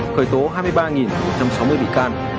khởi tố hai mươi ba một trăm sáu mươi bị can